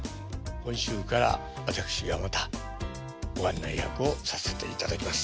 今週から私がまたご案内役をさせていただきます。